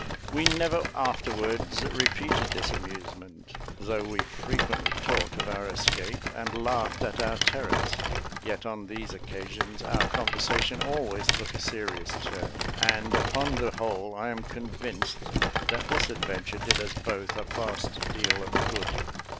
We never afterwards repeated this amusement, though we frequently talked of our escape, and laughed at our terrors; yet on these occasions our conversation always took a serious turn: and, upon the whole, I am convinced that this adventure did us both a vast deal of good.